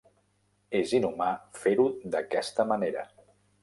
És inhumà fer-ho d'aquesta manera.